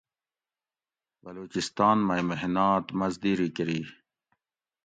بلوچستان مئی محنات مزدیری کۤری